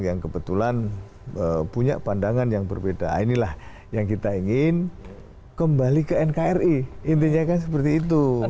yang kebetulan punya pandangan yang berbeda inilah yang kita ingin kembali ke nkri intinya kan seperti itu